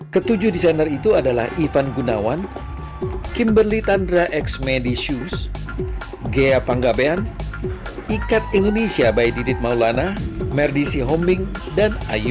ketujuh desainer itu adalah